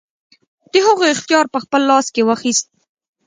د هغو اختیار په خپل لاس کې واخیست.